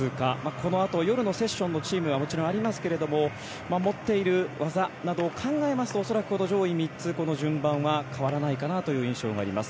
このあと夜のセッションのチームはもちろんありますけど持っている技などを考えますと恐らくこの上位３つ順番は変わらないかなという印象はあります。